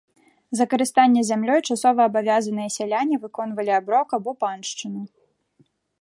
За карыстанне зямлёй часоваабавязаныя сяляне выконвалі аброк або паншчыну.